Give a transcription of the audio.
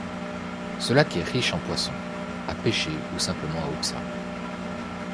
Ce lac est riche en poissons, à pêcher ou simplement à observer.